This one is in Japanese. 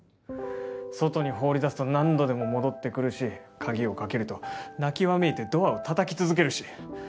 外に放り出すと何度でも戻ってくるし鍵をかけると泣きわめいてドアをたたき続けるし。